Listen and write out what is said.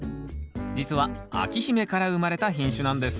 じつは章姫から生まれた品種なんです